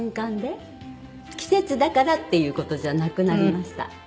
季節だからっていう事じゃなくなりました。